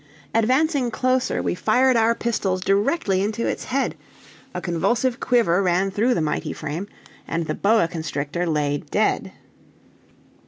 Advancing closer, we fired our pistols directly into its head, a convulsive quiver ran through the mighty frame, and the boa constrictor lay dead.